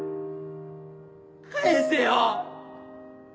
返せよ！